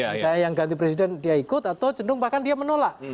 misalnya yang ganti presiden dia ikut atau cenderung bahkan dia menolak